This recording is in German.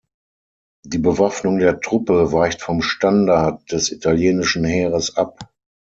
Die Bewaffnung der Truppe weicht vom Standard des italienischen Heeres ab.